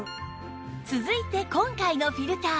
続いて今回のフィルター